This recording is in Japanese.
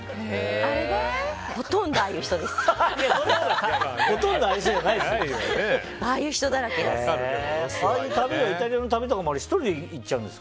ほとんどああいう人です。